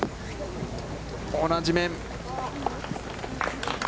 同じ面。